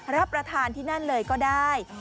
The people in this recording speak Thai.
รับประทานที่นั่นเลยก็ได้